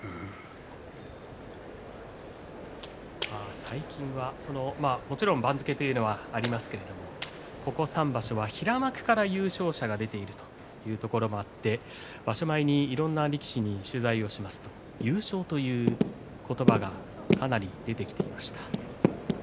最近は番付はありますけどここ３場所は平幕の優勝者が出ているというところもあって場所前にいろんな力士に取材をしますと優勝という言葉がかなり出てきていました。